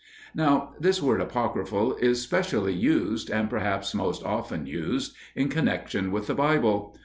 Now this word apocryphal is specially used, and perhaps most often used, in connection with the Bible.